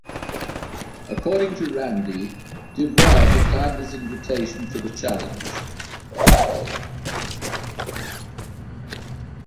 According to Randi, DuBois declined his invitation to the challenge.